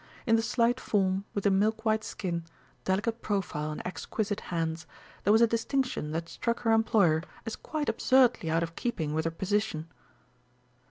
In the slight form, with the milk white skin, delicate profile and exquisite hands, there was a distinction that struck her employer as quite absurdly out of keeping with her position.